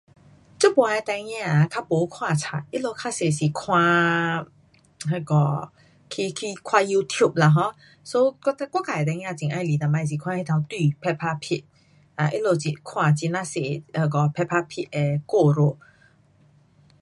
这次的孩儿较没看书。他们较多是看那个 um 去去看 youtube lah ho so 我自己的孩儿以前是很喜欢看那只猪 Peppa Pig um 他们看很呐多那个 Peppa Pig 的故事。